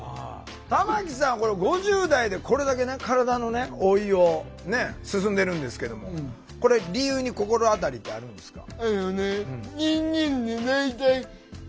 玉木さんこれ５０代でこれだけね体の老いを進んでるんですけどもこれ理由に心当たりってあるんですか？